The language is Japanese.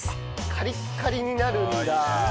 カリッカリになるんだ。